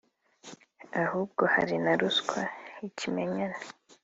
ahubwo hari na ruswa y’ikimenyane